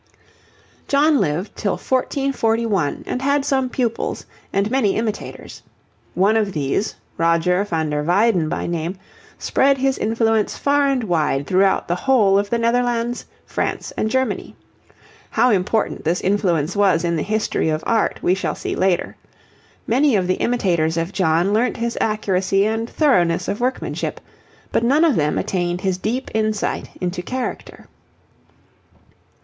John lived till 1441, and had some pupils and many imitators. One of these, Roger van der Weyden by name, spread his influence far and wide throughout the whole of the Netherlands, France, and Germany. How important this influence was in the history of art we shall see later. Many of the imitators of John learnt his accuracy and thoroughness of workmanship, but none of them attained his deep insight into character.